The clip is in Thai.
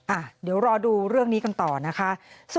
อ่ะเดี๋ยวรอดูเรื่องนี้กันต่อนะคะ